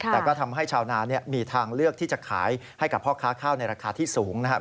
แต่ก็ทำให้ชาวนามีทางเลือกที่จะขายให้กับพ่อค้าข้าวในราคาที่สูงนะครับ